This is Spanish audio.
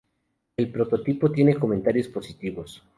El prototipo tiene comentarios positivos.